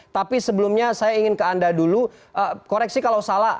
tapi sebelumnya saya ingin ke anda dulu koreksi kalau salah